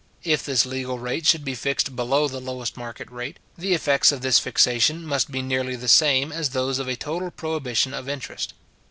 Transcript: If this legal rate should be fixed below the lowest market rate, the effects of this fixation must be nearly the same as those of a total prohibition of interest.